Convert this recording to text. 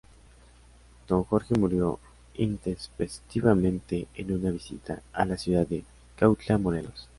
Don Jorge murió intempestivamente en una visita a la ciudad de Cuautla, Morelos.